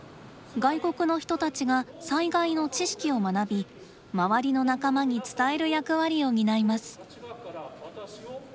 外国の人たちが災害の知識を学び周りの仲間に伝える役割を担います。